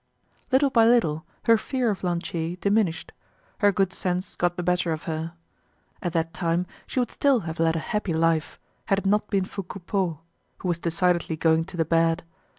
Little by little, her fear of Lantier diminished; her good sense got the better of her. At that time she would still have led a happy life, had it not been for Coupeau, who was decidedly going to the bad.